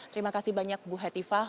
terima kasih banyak bu hetifah